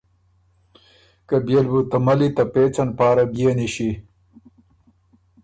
که بيې ل بُو ته ملّی ته پېڅن پاره بيې نِݭی۔